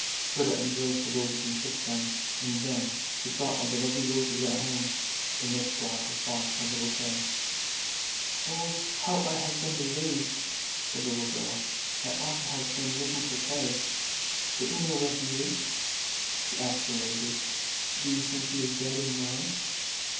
Gerda em braced the roses and kissed them, and then she thought of the lovely roses at home, and this brought the thought of little Kay. " Oh, how I have been delayed," said the little girl, " I ought to have been looking for Kay! Don't you know where he is? " she asked the roses. " Do you think he is dead and gone?